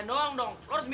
ini jangan rupanya